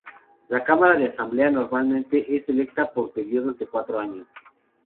La Cámara de la Asamblea normalmente es electa por periodos de cuatro años.